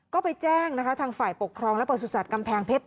ก็ไปแจ้งนะคะทางฝ่ายปกครองและประสุทธิ์กำแพงเพชร